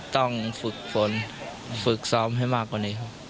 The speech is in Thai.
ต้องฝึกฝนฝึกซ้อมให้มากกว่านี้ครับ